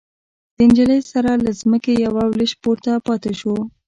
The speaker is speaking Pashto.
د نجلۍ سر له ځمکې يوه لوېشت پورته پاتې شو.